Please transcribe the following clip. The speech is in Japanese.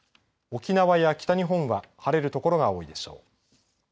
沖縄や北日本は晴れる所が多いでしょう。